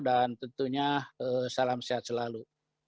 dan tentunya salam sehat selalu